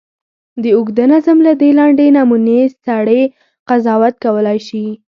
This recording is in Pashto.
د اوږده نظم له دې لنډې نمونې سړی قضاوت کولای شي.